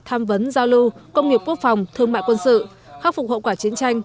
tham vấn giao lưu công nghiệp quốc phòng thương mại quân sự khắc phục hậu quả chiến tranh